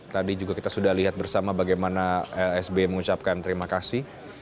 tadi juga kita sudah lihat bersama bagaimana sby mengucapkan terima kasih